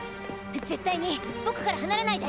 絶対にボクから離れないで！